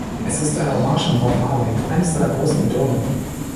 Es ist eine Hommage an Bob Marley, eines seiner großen Idole.